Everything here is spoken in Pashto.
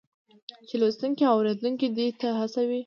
چې لوستونکی او اورېدونکی دې ته هڅوي